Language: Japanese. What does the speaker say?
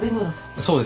そうです。